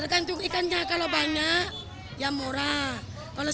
tergantung ikannya kalau banyak ya murah